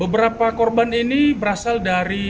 beberapa korban ini berasal dari